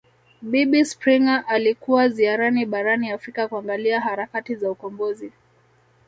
Bibi Springer alikuwa ziarani barani Afrika kuangalia harakati za ukombozi